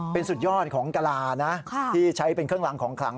เป็นสุดยอดของกะลานะที่ใช้เป็นเครื่องรางของขลัง